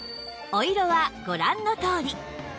お色はご覧のとおり